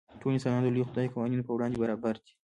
ټول انسانان د لوی خدای قوانینو په وړاندې برابر دي.